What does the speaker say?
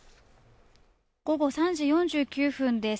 午後３時４９分です。